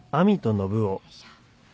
よいしょ。